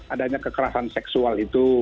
adanya kekerasan seksual itu